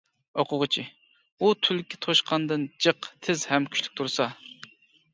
-ئوقۇغۇچى: ئۇ تۈلكە توشقاندىن جىق تېز ھەم كۈچلۈك تۇرسا.